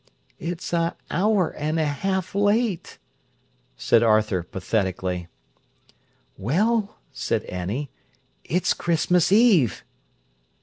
"It's an hour an' a half late," said Arthur pathetically. "Well," said Annie, "it's Christmas Eve."